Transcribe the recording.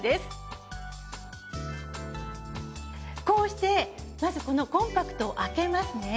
こうしてまずこのコンパクトを開けますね。